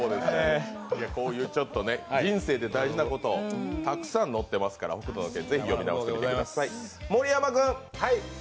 こういう人生で大事なこと、たくさん載ってますから「北斗の拳」ぜひ読み直してみてください。